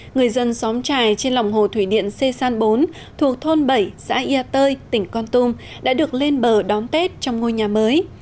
người dân xóm trài trên lòng hồ thủy điện xê san bốn thuộc thôn bảy xã yà tơi tỉnh con tum đã được lên bờ đón tết trong ngôi nhà mới